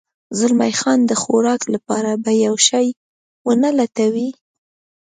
زلمی خان د خوراک لپاره به یو شی و نه لټوې؟